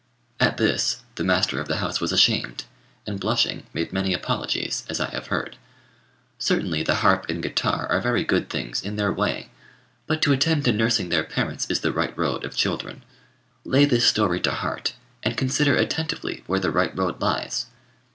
At this the master of the house was ashamed, and blushing made many apologies, as I have heard. Certainly, the harp and guitar are very good things in their way; but to attend to nursing their parents is the right road of children. Lay this story to heart, and consider attentively where the right road lies.